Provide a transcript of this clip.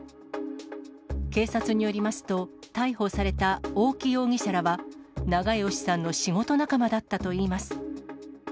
警察によりますと、逮捕された大木容疑者らは、長葭さんの仕事仲間だったといいます。